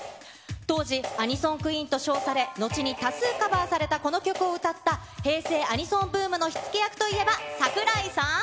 当時、アニソンクイーンと称され、のちに多数カバーされたこの曲を歌った、平成アニソンブームの火付け役といえば、櫻井さん。